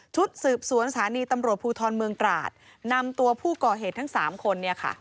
ชุดสืบสวนสถานีตำรวจภูทรเมืองตราดนำตัวผู้ก่อเหตุทั้ง๓คน